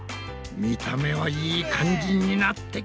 見た目はいい感じになってきたぞ。